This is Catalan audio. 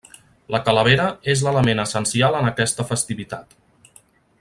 La calavera és l’element essencial en aquesta festivitat.